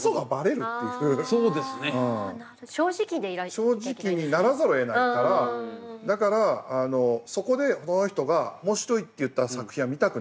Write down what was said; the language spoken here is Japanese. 正直にならざるをえないからだからそこでその人が面白いって言った作品は見たくなる。